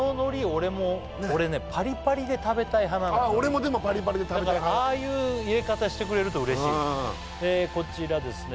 俺も俺ねパリパリで食べたい派なんだ俺もでもパリパリで食べたい派だからああいう入れ方してくれるとうれしいこちらですね